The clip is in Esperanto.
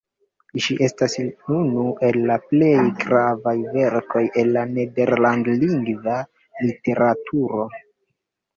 Ĝi estas unu el la plej gravaj verkoj el la nederlandlingva literaturo.